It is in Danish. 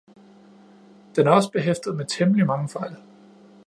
Den er også behæftet med temmelig mange fejl.